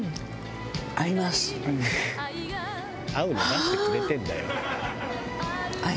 「合うの出してくれてんだよ」